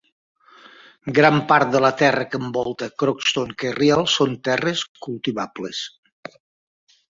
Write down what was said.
Gran part de la terra que envolta Croxton Kerrial són terres cultivables.